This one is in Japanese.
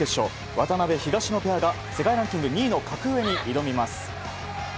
渡辺、東野ペアが世界ランク２位の格上に挑みます。